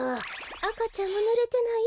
あかちゃんはぬれてない？